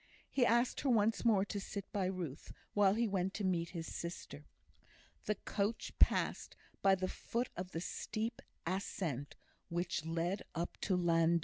He asked her once more to sit by Ruth, while he went to meet his sister. The coach passed by the foot of the steep ascent which led up to Llan dhu.